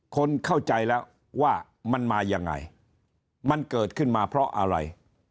คนเข้าใจแล้วว่ามันมายังไงมันเกิดขึ้นมาเพราะอะไร